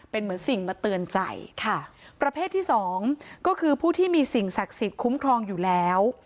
เป็นเหมือนสิ่งมาเตือนใจค่ะประเภทที่สองก็คือผู้ที่มีสิ่งศักดิ์สิทธิ์คุ้มครองอยู่แล้ว